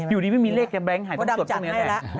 อยู่ดีไม่มีเลขแบงค์หายต้นส่วนตรงนี้แหละ